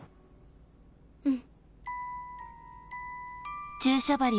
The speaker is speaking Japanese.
うん。